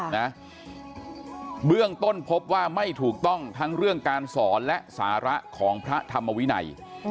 นะเบื้องต้นพบว่าไม่ถูกต้องทั้งเรื่องการสอนและสาระของพระธรรมวินัย